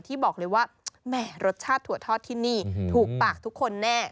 ที่บอกเลยว่าแหมรสชาติถั่วทอดที่นี่ถูกปากทุกคนแน่